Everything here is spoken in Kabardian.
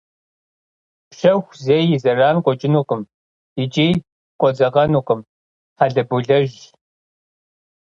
Пщэху зэи и зэран къокӏынукъым икӏи къодзэкъэнукъым, хьэлэболэжьщ.